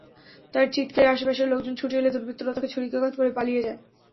তার চিৎকারে আশপাশের লোকজন ছুটে এলে দুর্বৃত্তরা তাকে ছুরিকাঘাত করে পালিয়ে যায়।